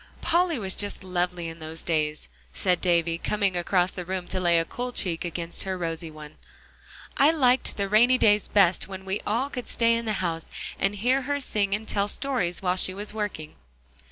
"Polly was just lovely in those days," said Davie, coming across the room to lay a cool cheek against her rosy one. "I liked the rainy days best when we all could stay in the house, and hear her sing and tell stories while she was working."